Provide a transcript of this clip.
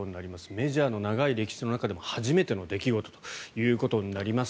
メジャーの長い歴史の中でも初めての出来事となります。